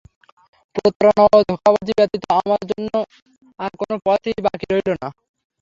প্রতারণা ও ধোঁকাবাজি ব্যতীত আমার জন্যে আর কোন পথই বাকি রইলো না।